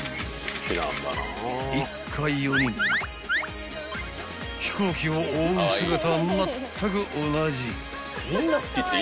［一家４人飛行機を追う姿はまったく同じ］